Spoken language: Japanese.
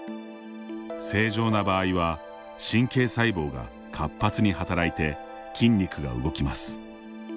正常な場合は神経細胞が活発に働いて筋肉が動きます。